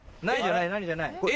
何じゃない何じゃない。